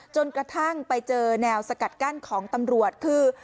จนกระทั่งไปเจอแนวสกัดกั้นของตำรวจคือ